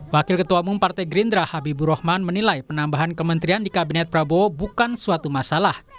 wakil ketua umum partai gerindra habibur rahman menilai penambahan kementerian di kabinet prabowo bukan suatu masalah